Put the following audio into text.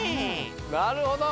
なるほど。